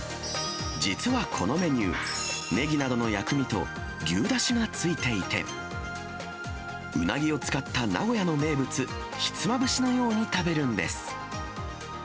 実はこのメニュー、ねぎなどの薬味と牛だしがついていて、うなぎを使った名古屋の名物、ひつまぶしのように食べるんです。